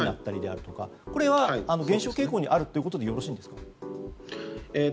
これは減少傾向にあるということでよろしいんですか？